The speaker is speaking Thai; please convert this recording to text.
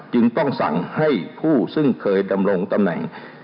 จึงต้องสั่งให้ผู้ซึ่งเคยดำรงตำแหน่ง